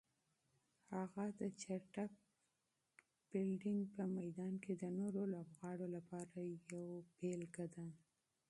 د هغه چټک فیلډینګ په میدان کې د نورو لوبغاړو لپاره یوه نمونه ده.